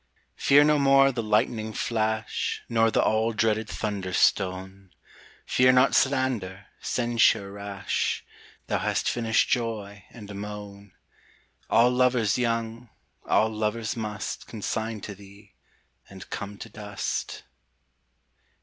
Fear no more the lightning flash Nor the all dreaded thunder stone; Fear not slander, censure rash; Thou hast finished joy and moan: All lovers young, all lovers must Consign to thee, and come to dust.